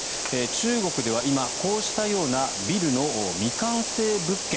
中国では今、こうしたようなビルの未完成物件